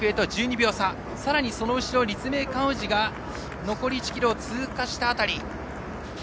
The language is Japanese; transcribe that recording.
さらにその後ろの立命館宇治が残り１ｋｍを通過した辺り。